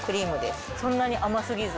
そんなに甘すぎず。